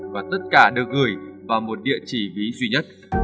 và tất cả được gửi vào một địa chỉ ví duy nhất